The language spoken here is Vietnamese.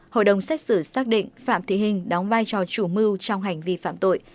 hội đồng xét xử xác định phạm thị hình đóng vai trò chủ mưu trong hành vi phạm tội